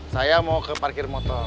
saya mau ke parkir motor